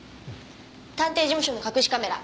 探偵事務所の隠しカメラ